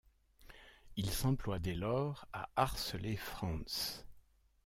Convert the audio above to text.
Il s'emploie dès lors à harceler Franz.